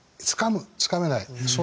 つかむ！つかめない。